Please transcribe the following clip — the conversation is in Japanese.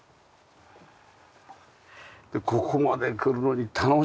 ここまで来るのに楽しいよね。